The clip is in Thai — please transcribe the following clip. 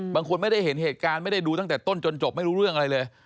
บางคนไม่ได้เห็นเหตุการณ์ไม่ได้ดูตั้งแต่ต้นจนจบไม่รู้เรื่องอะไรเลย